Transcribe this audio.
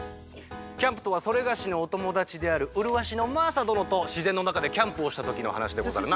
キャンプとはそれがしのおともだちであるうるわしのマーサどのとしぜんのなかでキャンプをしたときのはなしでござるな。